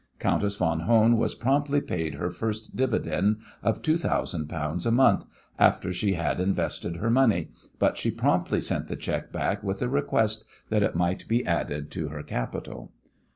Countess von Hohn was promptly paid her first dividend of two thousand pounds a month after she had invested her money, but she promptly sent the cheque back with a request that it might be added to her capital.